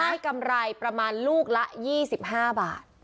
กำไรประมาณลูกละ๒๕บาท